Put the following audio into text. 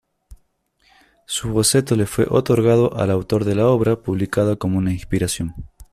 Su boceto le fue otorgado al autor de la obra publicada como una inspiración.